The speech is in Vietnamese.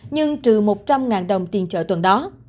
nhưng trừ một trăm linh ngàn đồng tiền chợ tuần đó